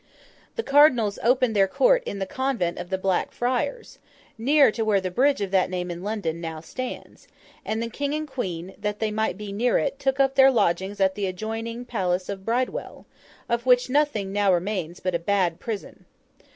The Cardinals opened their court in the Convent of the Black Friars, near to where the bridge of that name in London now stands; and the King and Queen, that they might be near it, took up their lodgings at the adjoining palace of Bridewell, of which nothing now remains but a bad prison.